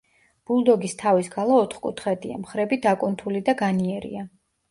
ბულდოგის თავის ქალა ოთხკუთხედია, მხრები დაკუნთული და განიერია.